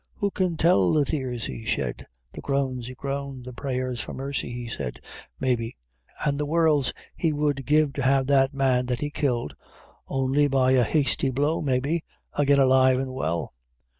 Who can tell the tears he shed, the groans he groaned, the prayers for mercy he said, maybe, and the worlds he would give to have that man that he killed only by a hasty blow, maybe again alive and well!